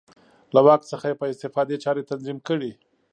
له واک څخه یې په استفادې چارې تنظیم کړې.